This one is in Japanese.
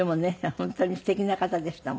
本当に素敵な方でしたもんね。